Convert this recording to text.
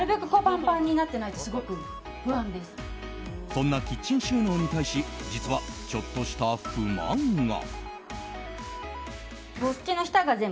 そんなキッチン収納に対し実は、ちょっとした不満が。